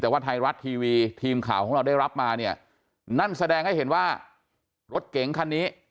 แต่ว่าไทยรัฐทีวีทีมข่าวของเราได้รับมาเนี่ยนั่นแสดงให้เห็นว่ารถเก๋งคันนี้